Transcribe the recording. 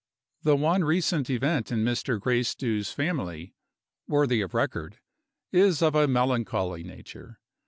The one recent event in Mr. Gracedieu's family, worthy of record, is of a melancholy nature.